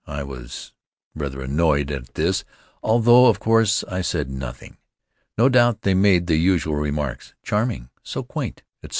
I was rather annoyed at this, although, of course, I said nothing." No doubt they made the usual remarks: "Charming! So quaint!" etc.